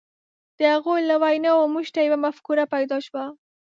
د هغوی له ویناوو موږ ته یوه مفکوره پیدا شوه.